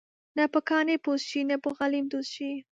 نه به کاڼې پوست شي ، نه به غلیم دوست شي.